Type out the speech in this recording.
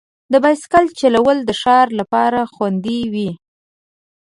د بایسکل چلول د ښار لپاره خوندي وي.